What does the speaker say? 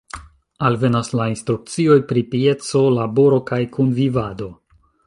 Alvenas la instrukcioj pri pieco, laboro kaj kunvivado.